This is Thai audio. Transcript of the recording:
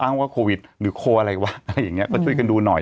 ว่าโควิดหรือโคอะไรวะอะไรอย่างนี้ก็ช่วยกันดูหน่อย